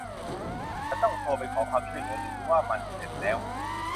ฉันต้องโทรไปขอความช่วยเหลือ หรือ ว่ามันเสร็จแล้ว